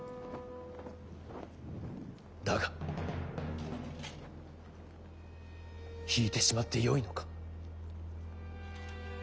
だが引いてしまってよいのか？